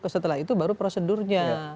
setelah itu baru prosedurnya